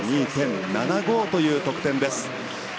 ７２．７５という得点です。